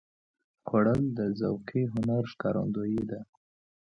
خوړل د ذوقي هنر ښکارندویي ده